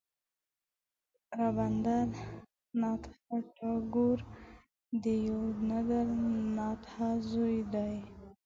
رابندر ناته ټاګور د دیو ندر ناته زوی دی.